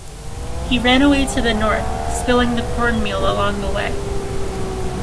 He ran away to the north, spilling the cornmeal along the way.